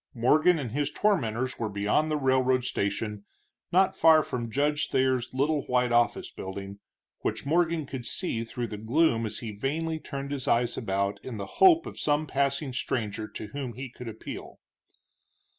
Morgan and his tormenters were beyond the railroad station, not far from Judge Thayer's little white office building, which Morgan could see through the gloom as he vainly turned his eyes about in the hope of some passing stranger to whom he could appeal.